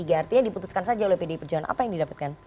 artinya diputuskan saja oleh pdi perjuangan apa yang didapatkan